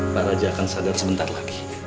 pak raja akan sadar sebentar lagi